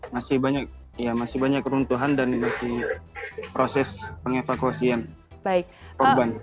masih banyak masih banyak keruntuhan dan masih proses pengevakuasian korban